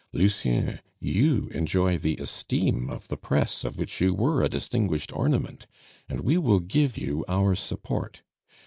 Lucien, you enjoy the esteem of the press of which you were a distinguished ornament, and we will give you our support.